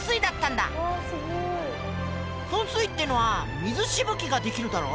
噴水ってのは水しぶきができるだろ。